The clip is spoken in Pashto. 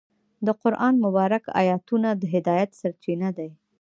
د قرآن مبارکه آیتونه د هدایت سرچینه دي.